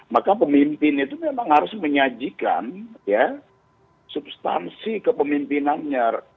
maka pemimpin itu memang harus menyajikan ya substansi kepemimpinannya